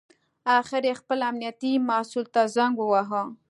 اخر یې خپل امنیتي مسوول ته زنګ وواهه.